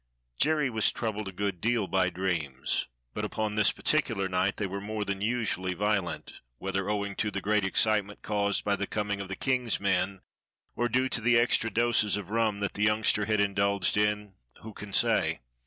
Jerry was troubled a good deal by dreams; but upon this particular night they were more than usually violent; whether owing to the great excitement caused by the coming of the King's men, or due to the extra doses of rum that the youngster had indulged in, who can say.